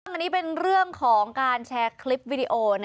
อันนี้เป็นเรื่องของการแชร์คลิปวิดีโอ